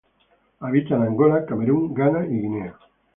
Habita en Angola, Camerún, Ghana y Guinea.